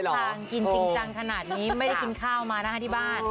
เออแล้วถ้าถ้างกินจริงจังขนาดนี้ไม่ได้กินข้าวมานะคะที่บ้าน